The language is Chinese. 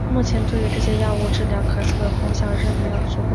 目前对于这些药物治疗咳嗽的功效仍没有足够证据。